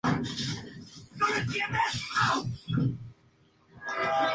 Soy tímida, creo en ciertos valores.